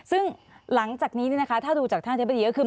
ซึ่งหลังจากนี้ถ้าดูจากท่านอธิบดีก็คือ